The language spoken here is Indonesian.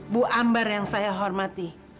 bu ambar yang saya hormati